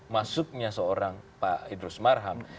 masuknya seorang pak idrus marham